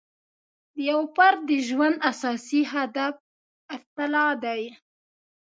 د یو فرد د ژوند اساسي هدف ابتلأ دی.